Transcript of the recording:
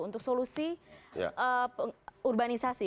untuk solusi urbanisasi